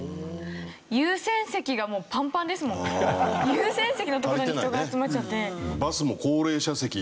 優先席の所に人が集まっちゃって。